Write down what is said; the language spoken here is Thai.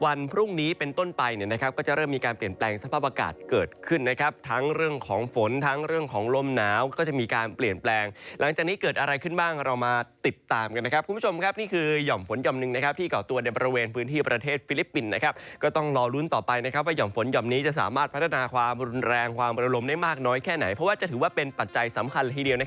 วันพรุ่งนี้เป็นต้นไปนะครับก็จะเริ่มมีการเปลี่ยนแปลงสภาพอากาศเกิดขึ้นนะครับทั้งเรื่องของฝนทั้งเรื่องของลมหนาวก็จะมีการเปลี่ยนแปลงหลังจากนี้เกิดอะไรขึ้นบ้างเรามาติดตามกันนะครับคุณผู้ชมครับนี่คือหย่อมฝนหย่อมนึงนะครับที่เก่าตัวในบริเวณพื้นที่ประเทศฟิลิปปินต์นะครับก็ต้องร